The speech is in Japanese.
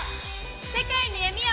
世界の闇を！